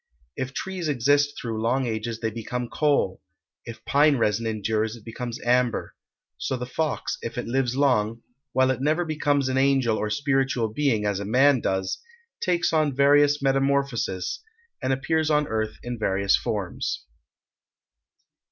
If trees exist through long ages they become coal; if pine resin endures it becomes amber; so the fox, if it lives long, while it never becomes an angel, or spiritual being, as a man does, takes on various metamorphoses, and appears on earth in various forms.